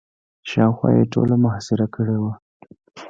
شاوخوا یې ټوله محاصره کړې وه.